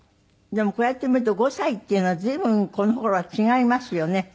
でもこうやって見ると５歳っていうのは随分この頃は違いますよね。